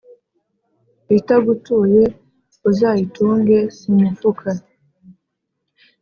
itagutuye uzayitunge mu mufuka.